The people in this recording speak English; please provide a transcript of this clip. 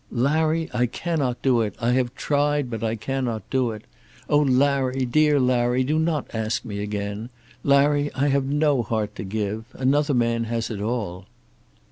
"Larry, I cannot do it. I have tried, but I cannot do it. O Larry, dear Larry, do not ask me again. Larry, I have no heart to give. Another man has it all."